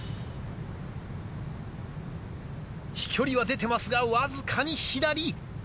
飛距離は出てますがわずかに左。